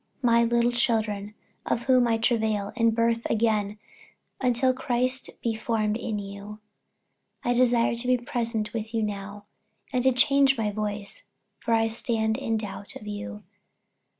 48:004:019 My little children, of whom I travail in birth again until Christ be formed in you, 48:004:020 I desire to be present with you now, and to change my voice; for I stand in doubt of you.